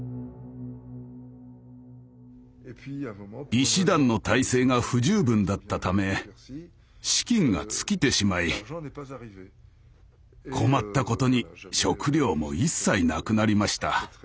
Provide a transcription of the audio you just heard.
医師団の体制が不十分だったため資金が尽きてしまい困ったことに食料も一切なくなりました。